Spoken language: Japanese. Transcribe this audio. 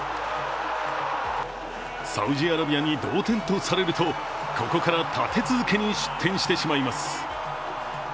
サウジアラビアに同点とされるとここから立て続けに失点してしまいます。